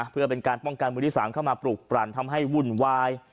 เพื่อเป็นการป้องกันมือที่๓เข้ามาปลุกปลั่นทำให้วุ่นวาย